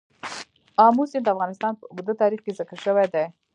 آمو سیند د افغانستان په اوږده تاریخ کې ذکر شوی دی.